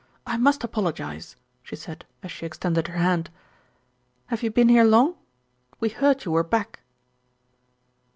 I must apologise," she said as she extended her hand. "Have you been here long? We heard you were back."